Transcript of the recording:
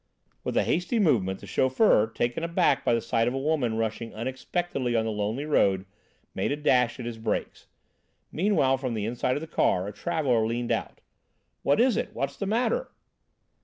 With a hasty movement the chauffeur, taken aback by the sight of a woman rising unexpectedly on the lonely road, made a dash at his brakes. Meanwhile from the inside of the car a traveller leaned out. "What is it? What's the matter?"